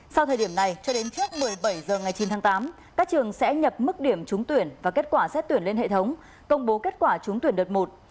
sau thời điểm này cho đến trước một mươi bảy h ngày chín tháng tám các trường sẽ nhập mức điểm trúng tuyển và kết quả xét tuyển lên hệ thống công bố kết quả trúng tuyển đợt một